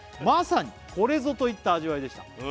「まさにこれぞ！といった味わいでした」